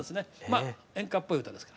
まあ演歌っぽい歌です。